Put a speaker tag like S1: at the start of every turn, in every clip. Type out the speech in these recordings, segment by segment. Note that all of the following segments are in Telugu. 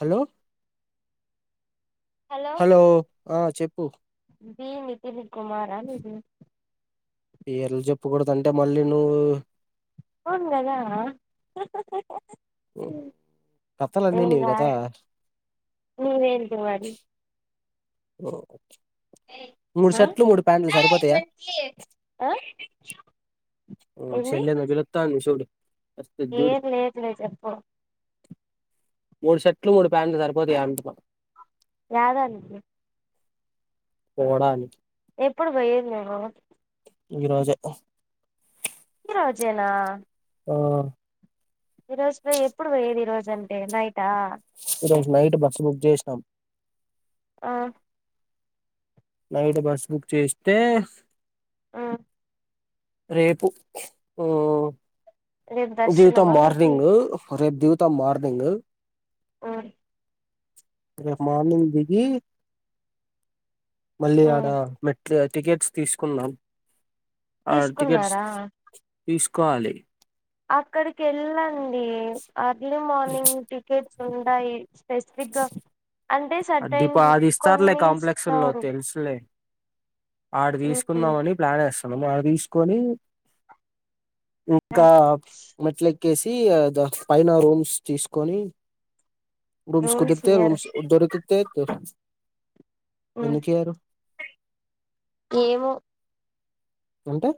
S1: హలో.
S2: హలో
S1: ఆ చెప్పు
S2: బి నితిన్ కుమారా మీరు.
S1: పేర్లు చెప్పకూడదు అంటే మళ్ళీ నువ్వు.
S2: అవును గదా.
S1: కథలన్నీ నీవి గదా.
S2: ఇంకేంటి మరి.
S1: ఓ. మూడు
S2: ఆ
S1: షెర్ట్లు మూడు ప్యాంట్లు సరిపోతాయా.
S2: ఆ
S1: ఉమ్ మీ
S2: ఏంది
S1: చెల్లె ఏదో పిలోతాంది చూడు. వస్తది చూడు
S2: ఏం లేదులే చెప్పు.
S1: మూడు షెర్ట్లు మూడు ప్యాంట్లు సరిపోతాయ అంటున్నా.
S2: యాదానికి.
S1: పోడానికి.
S2: ఎప్పుడు పోయెది నువ్వు.
S1: ఈ రోజే.
S2: ఎలా.
S1: ఆహ్.
S2: ఈ రోజులో ఎప్పుడు పోయేది ఈ రోజంటే నైటా.
S1: ఈ రోజు నైట్ బస్సు బుక్ చేసినాం.
S2: ఆహ్.
S1: నైట్ బస్సు బుక్ చేస్తే.
S2: ఆహ్.
S1: రేపు
S2: రేపు
S1: ఉమ్ దిగుతాం
S2: దర్శనమా మీకి
S1: మార్నింగ్. రేపు దిగుతం మార్నింగ్.
S2: ఆవ్.
S1: రేపు మార్నింగ్ దిగి మళ్ళీ ఆడ
S2: ఉమ్
S1: మెట్లా దగ్. టికెట్స్ తీసుకున్నాం ఆహ్ టికెట్స్
S2: తీసుకున్నారా
S1: తీస్కోవాలి.
S2: అక్కడికి వెళ్ళండి ఎర్లీ మార్నింగ్ టికెట్స్ ఉంటాయి. స్పెసిఫిక్గా అంటే సర్టైన్
S1: అదిప అది ఇస్తారులే
S2: కొన్ని
S1: కాంప్లెక్స్ లో
S2: ఇస్తారు
S1: తెలుసులే ఆడ
S2: ఉమ్
S1: తీసుకుందామని ప్లాన్ ఎస్తున్నాం ఆడ తీసుకొని ఇంకా మెట్లే ఎక్కేసి ద పైన రూమ్స్ తీసుకొని రూమ్స్
S2: రూల్స్
S1: కుదిరుతే
S2: ఇయ్యరు
S1: రూమ్స్ దొరికితే
S2: ఉమ్
S1: ఎందుకియరు.
S2: ఏమో.
S1: అంటే.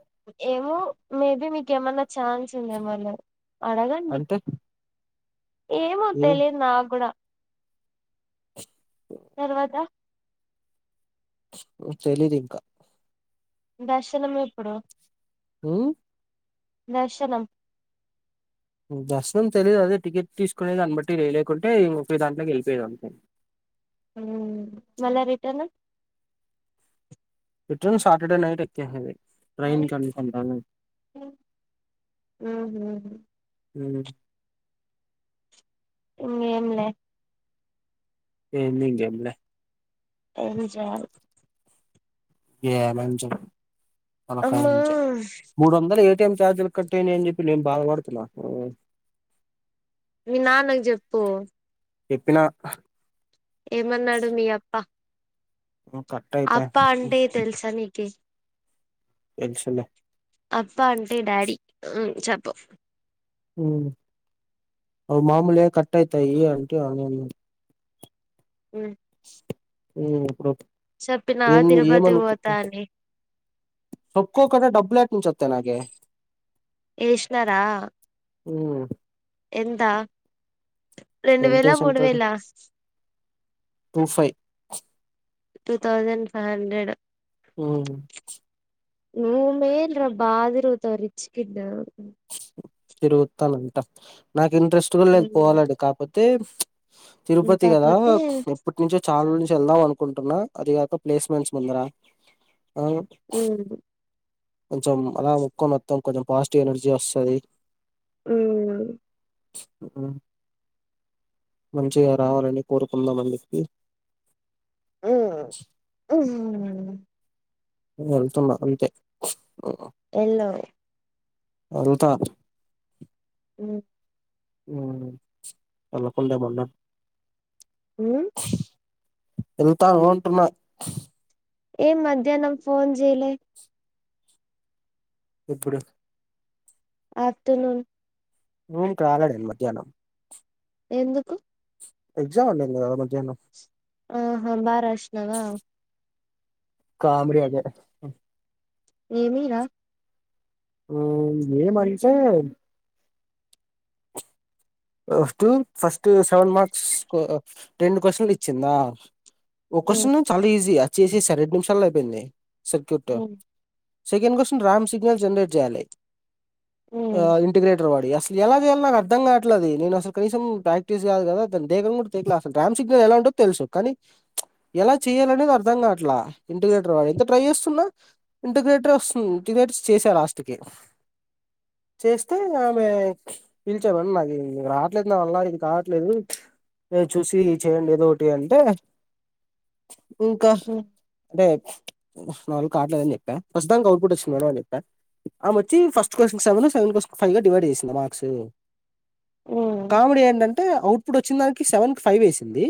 S2: ఏమో మేబి మీకేమన్నా ఛాన్స్ ఉందేమన్నా.
S1: అంటే
S2: ఏమో
S1: ఏ
S2: తెలిద్ నాకుగుడ. తర్వత
S1: తెలీద్ ఇంక
S2: దర్శనం ఎప్పుడు
S1: ఉమ్మ్
S2: దర్శనం
S1: దర్శనం తెలిదు అదే టికెట్ తీసుకునే దాన్ని బట్టి రెలెకుంటే ఒకె దాంట్లోకి ఎల్పోయే అంతే
S2: ఆ మళ్ళ రిటర్న్
S1: రిటర్న్ సాటర్డే నైట్ ఎక్కెసేదే ట్రైన్ కన్ఫర్మ్ దనే
S2: ఉహు
S1: ఉమ్
S2: ఇంగెంమ్లే
S1: ఎంది ఇంగెంలె
S2: ఏనీ జాల్
S1: ఏ లంచం
S2: అమ్మా
S1: తలకాయించే మూడు వందల్ ఏటీఎం చార్జ్లు కట్ అయినై అని చెప్పి నేన్ బాధపడ్తున్న
S2: మీ నాన్నక్ జేప్పు
S1: ఎప్పిన
S2: ఏమన్నాడు మీ అప్ప
S1: ఉమ్, కట్ అయితాయి
S2: అప్ప అంటే తెల్స నీకి
S1: తెల్సులె
S2: అప్పా అంటే డాడీ ఉ చెప్పో
S1: ఉమ్ అవి మామూలే కట్టైతయి అంటె అనెన్
S2: ఉమ్మ్
S1: ఉమ్మ్ ఎప్పుడో
S2: చెప్పినా
S1: ఏం
S2: తిరుపతికి పోతా
S1: ఏమనుకట్టె
S2: అని
S1: ఓక్కోక్కద డబ్బులేట్నుచె త్త లగే
S2: ఏష్ణరా
S1: ఉమ్మ్
S2: ఎంత రెండు
S1: ఎంత
S2: వేయిల మూడు
S1: వేసింటాడు
S2: వేయిల
S1: two five
S2: two thousand five hundred
S1: అవును
S2: నువ్ మేల్ రా బాధిరూతవ్ రిచ్కిడూ
S1: తిరుగుతానంట నాకు ఇంట్రెస్ట్ కూడా లేదు
S2: ఉమ్
S1: పోవాలని కాపోతే తిరుపతి గదా
S2: కాకపోతే
S1: ఎప్పట్ నుంచో చాల్ నుంచి యేళ్దాం అనుకుంటున్నా అది గాక ప్లేస్మెంట్స్ ముందరా ఆ
S2: ఉమ్
S1: కొంచెం అలా ముక్కోనోద్దం కొంచెం పాజిటివ్ ఎనర్జీ వస్ తది
S2: ఉమ్మ్
S1: మంచిగా రావాలని కోరుకుందాం అని చెప్పి
S2: ఉమ్మ్
S1: వెళ్తున్న అంతే ఉ
S2: వెల్లో
S1: ఎల్త
S2: ఉమ్మ్
S1: ఉమ్ ఎళ్లకుండా ఏమన్నా.
S2: ఉమ్మ్
S1: ఎళ్తాను అంటున్న.
S2: ఏం ఈ మధ్యా నాకు ఫోన్ చేయలే.
S1: ఎప్పుడు.
S2: ఆఫ్టర్నూన్.
S1: మూవ్ కాలడన్ మధ్యాహ్నం.
S2: ఎందుకు.
S1: ఎగ్జామ్ ఉన్నది కదా మధ్యాహ్నం.
S2: ఆహ్ బాగా రాసినావా.
S1: కామిడి అదే ఉహూ.
S2: ఏమీ రా.
S1: ఉమ్ ఏమి అంటే. ఆఫ్టర్నూన్ ఫస్ట్ సెవెన్ మార్క్స్ కు ఆహ్ రెండు క్వశ్చన్లు ఇచ్చింది మ్యామ్. ఒక క్వశ్న్ చాలా ఈజీ ఆహ్ చేసేశాను నిమిషాలో అయిపోయింది circuit. Second question Ram signal generate చేయాలి ఆహ్ ఇంటిగ్రేట్. సోది అసలు ఎలాది అన్ నక్ అర్థంకావట్ ఎట్లాది నేను అసలు కనీసం ప్రాక్టీస్ కాదు కదా దాని దేకాన్ కూడ దేకాలే అసలు రామ్ సిగ్నల్ ఎలా ఉందో తెలుసు కానీ ప్చ్. ఎలా చేయాలనేది అర్థం కావట్లే ఇంటిగ్రేటర్వా ఎంత ట్రై చేస్తున్నా ఇంటిగ్రేటరే వస్తుంది. [unintelligible] చేసా లాస్ట్ కి. చేస్తే ఆమె పిలిచామన్నాది. ఈ రావట్లేదు నా వల్ల ఇది కావట్లేదు ఇగ చూసి చేయండి ఏదోకటి అంటే. ఇంకా అంటే. ఉఫ్ నావల్ల కావట్లేదు అని చెప్ప ప్రస్తుతానికి ఔట్పుట్ వస్తుంది అని చెప్ప. ఆమె వచ్చి first question seven. Seven question ఫైవ్గా డివైడ్ చేసిందా మార్క్స్. కామిడి ఏంటంటే ఔట్పుట్ వచ్చిన దానికి సెవెన్ కి ఫైవ్ వేసింది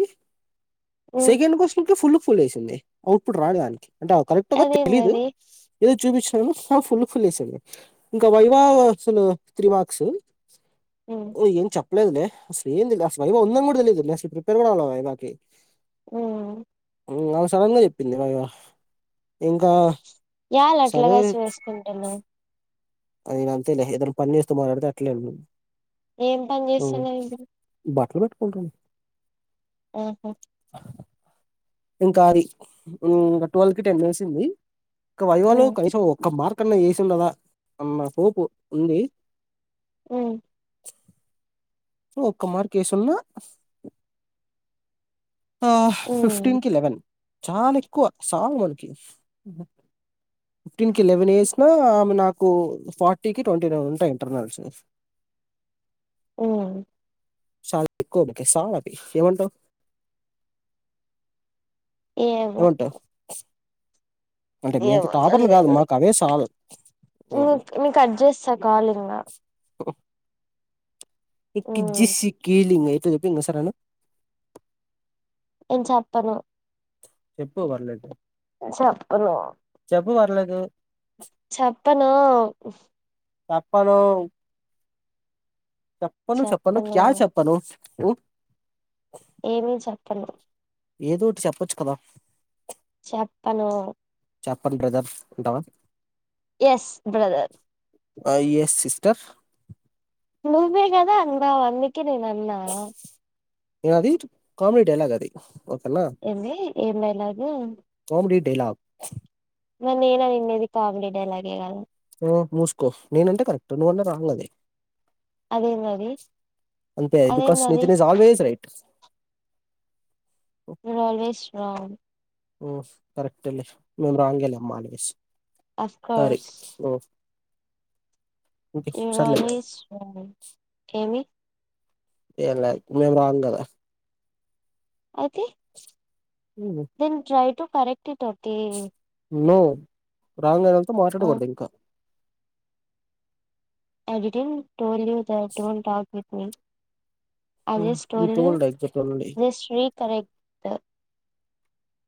S1: సెకండ్ క్వశ్చన్ కి ఫుల్కి ఫుల్ వేసింది ఔట్పుట్ రాలే దానికి. అంటే ఆహ్ కరెక్ట్ గా తెలీదు
S2: అదేందది
S1: ఏదో చూపించిన్నాము. ఆహ్ ఫుల్ క్ ఫుల్ వేసింది ఇంకా వైవా అసలు త్రీ మార్క్స్.
S2: ఉమ్
S1: ఆహ్ ఏం చేప్పాలేదులే అసలు ఎంది అసలు వైవా ఉందని కూడతెలిదు అసలు ప్రిపేర్ కూడా కాలేదు వైవాకి.
S2: ఉమ్
S1: ఆహ్ సడన్ గా చెప్పింది వైవ ఇంకా.
S2: యల్ అట్లాగా చేసుకుంటునవ్.
S1: అయినా అంతేలే ఏదైనా పనిచేస్తే మాట్లాడితే అట్లే ఉంది.
S2: ఏం పని
S1: ఉమ్
S2: చేస్తున్నా ఇప్పుడు
S1: బాట్లు పెట్టుకుంటున్.
S2: ఓహో.
S1: ఇంకా అది ఇంకా ట్వెల్వ్ కి టెన్ మినిట్స్ ఉంది. వైవాలో
S2: ఉమ్
S1: కనీసం ఒక్క మార్కన్నా వేసిఉండదా అన్న హోపు ఉంది.
S2: ఉమ్.
S1: ఒక్క మార్క్ వేసున్నా. ఆహ్
S2: ఉమ్
S1: ఫిఫ్టీన్ కి లెవెన్ చాలా ఎక్కువ సాలు మనకి. ఫిఫ్టీన్కి లెవెన్ వేసిన ఆమె నాకు ఫార్టీకి ట్వంటీ నైన్ ఉంటాయి ఇంటర్నల్స్.
S2: ఉమ్.
S1: [unintelligible] ఏమంటావ్.
S2: ఏమో
S1: ఏంటో. అంటే మీ అంతా టాపర్లు కాదు మాకు అవే సాలు.
S2: నీక్ నీకు కట్ చేస్తా కాల్ ఇంగ
S1: ఇక్కి
S2: ఉమ్
S1: జిస్సి కీలింగ్ ఎటు జెప్పి ఇంగోసారి అను
S2: నేన్ చెప్పను
S1: చెప్పు పర్లేదు
S2: చప్పను
S1: ఉవర్లేదు
S2: చెప్పానా.
S1: చెప్పనూ చెప్పను చెప్పను క్యా చెప్పనూ. ఊ.
S2: ఏమీ చెప్పాను.
S1: ఏదో ఒటి చెప్పచు కదా
S2: చెప్పనూ
S1: చెప్పన్ బ్రదర్ ఉంటావా
S2: ఎస్ బ్రదర్
S1: అ ఎస్ సిస్టర్
S2: నువ్వే కదా అన్నావ్ అందుకే నేన్ అన్న
S1: ఏ అది కామిడీ డైలాగ్ అది ఓకేనా
S2: ఏంది ఏమైనాదీ
S1: కామెడీ డైలాగ్
S2: మార్ నేన్ అనిన్నది కామిడీ డైలాగ్ ఏ కథా
S1: నోర్మూసుకో నేనంటే కరెక్ట్ నువ్వంటే రాంగ్ అది
S2: అదేందది
S1: అంతే ఐ బికాస్
S2: అదేందది
S1: నితిన్ ఇస్ అల్ల్వేయ్స్ రైట్
S2: నెన్ అల్వేస్ రాంగ్
S1: ఉహ్ కరెక్ట్ లే మెమ్ రాంగ్ గే లే అమ్మ always
S2: of
S1: sorry
S2: course
S1: oh
S2: you are always wrong ఏమీ
S1: ఏలైద్ మేం రాంగ్ గ దా
S2: అయితే then try to correct it okay
S1: no wrong అయినంత మాట్లాడకోడదు ఇంకా
S2: I didn't told you that don't talk with me I just
S1: ఈ
S2: told you
S1: exact only
S2: just we correct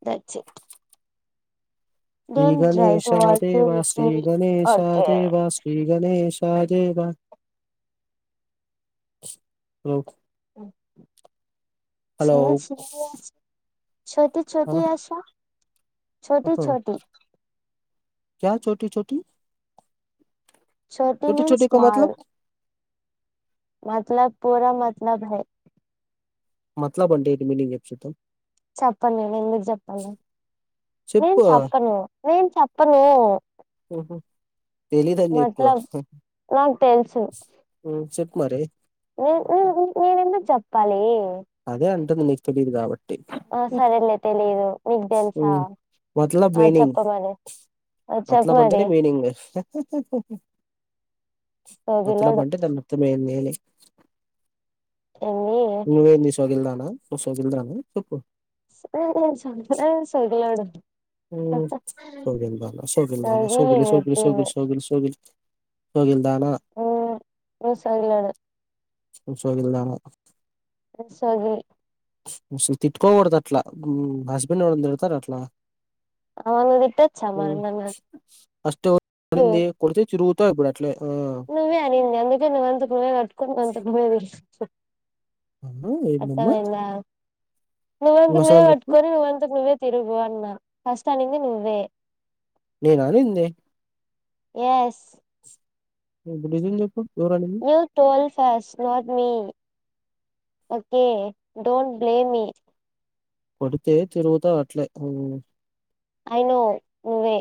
S2: దట్సి it
S1: Shri Ganesha
S2: to argue
S1: Deva
S2: with
S1: Shri
S2: me
S1: Ganesha
S2: okay
S1: Deva Shri Ganesh అ దేవా ఓ హలో
S2: చిన్ని చిన్ని ఆశ చోతే చోతే ఆశ చోటి చోటి
S1: క్యా చోటీ చోటీ
S2: చోటి మీన్స్ స్మాల్ మతలబ్ పుర మాత్ లబ్ హే
S1: మత్లబ్ అంటే ఏంటి మీనింగ్ చెప్పు చూద్దాం
S2: చెప్పన్ నేన్ ఎందుకు చెప్పాలి నెన్
S1: చెప్పు
S2: చెప్పను నేన్ చెప్పనూ
S1: ఓ హో తెలిదనికి
S2: మతలబ్
S1: చెప్పు
S2: నాకు
S1: ఉ చెప్ మరి
S2: [unintelligible] ఎందుక్ చెప్పాలి
S1: అదే అంటుంది నీక్ తెలీదు కాబ
S2: ఆ సరేలే తెలీదు నిక్ తెలుసా
S1: ఉమ్
S2: ఆ చెప్ప రాదే
S1: మత్లబ్ అంటనే మీనింగ్ మత్లబ్
S2: సోగిలోడు
S1: అంటే ధన్ అర్థమే నేనే
S2: ఏంది
S1: ను వేమ్ ముసోగిల్దన మోసోగిల్దాన్ని చెప్పు
S2: [unintelligible] సోగిలోడు
S1: ఊ సోగిల్దాన సోగిల్దాన సోగిలి సోగిలి సోగోలి సోగోలి సోగిలి పర్లేద్
S2: ఆ ముసల్దనే
S1: సోగిల్దాన
S2: ఎ సోగిల్
S1: అసలు తిట్టుకోకూడద్ అట్లా ఉమ్మ్ హస్బెండ్ని ఎవరన్న తిడ్తారా అట్లా
S2: అమ నువ్వు తిట్టొచ్చా
S1: ఆ
S2: మరి నన్ను
S1: ఫస్ట్ ఎవర్
S2: అట్లు
S1: పడింది కొడ్తే [unintelligible] తో ఇప్పుడ్ అట్లే ఆ
S2: దీని వంతుకు నువ్వే కట్టుకొని [inaudible]
S1: అనూ ఏందమ్మా?
S2: నువ్వంతుకు నువ్వే
S1: ఇంకోసారి చెప్పు
S2: పట్టుకొని నువ్వంతుకు నువ్వే తిరుగు అన్నా ఫస్ట్ అనింది నువ్వే
S1: నేనా అనింది.
S2: ఏస్
S1: [inaudible] నిజం చెప్పు ఎవరనింది?
S2: యు టువల్స్ thoughts not me okay don't blame me
S1: కొడ్తే తిరుగుతావు అట్లే
S2: ఐ నో నువ్వే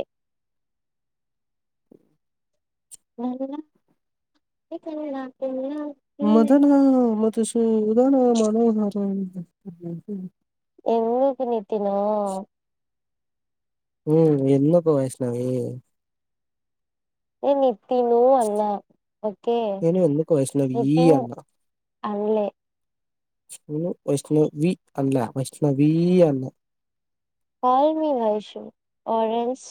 S2: నందనా ఏ తెల్లా పిల్లా
S1: మధన మధు సూదన మనోహర
S2: పోకు నీ తినా
S1: ఏ ఎందుకు వైష్ణవీ?
S2: ఏ ని తినూ అన్నా ఓకే.
S1: నేను ఎందుకు వైష్ణవీ
S2: నితిన్
S1: అన్నా.
S2: అన్లే.
S1: నేను వైష్ణ వి అన్న వైష్ణవీ అన్లే
S2: call me Vaishu or else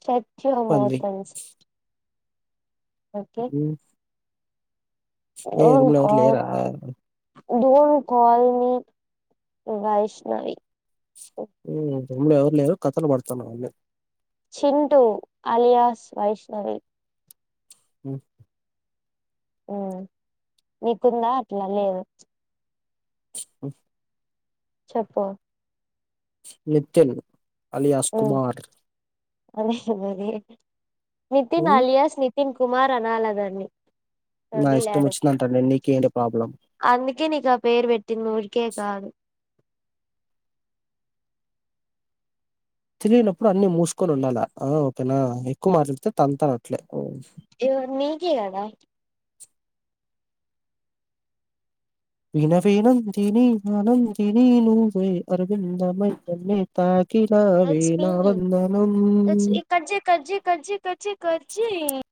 S2: Satyam
S1: పంది.
S2: మోటార్స్
S1: హ్ ఏ రూమ్ల ఎవర్ లేరా
S2: డోన్ కాల్ మీ వైష్ణవి.
S1: మ్ రూమ్ల ఎవర్ లేరు. కథల్ పడ్తున్నవ్ లె
S2: చింటూ అలియాస్ వైష్ణవి.
S1: మ్
S2: మ్ నీకుందా అట్లా లేదు.
S1: చిమ్ ఉ
S2: చెప్పు
S1: నితిన్ అలియాస్ కుమార్
S2: ఓవర్ చేయక్ నితిన్
S1: హ్మ్.
S2: అలియాస్ నితిన్ కుమార్ అనాల దాన్ని
S1: నా ఇష్టం వచ్చిందంటనే నీకేంటి ప్రాబ్లం.
S2: అందుకే నీక్ ఆ పేరు పెట్టింద్ ఊరికే కాదు.
S1: తెలీనప్పుడు అన్ని మూస్కొన్ ఉండాలా ఆ ఓకేనా ఎక్కువ మాట్లాడ్తే తంతానట్లే
S2: ఇగో నీకే గదా
S1: విన విన దిని ఆనందిని నువ్వే అరవిధమై నన్నే తా కినావే
S2: దట్స్ మీ
S1: నా వందనం...
S2: కచ్చి కచ్చి కచ్చీ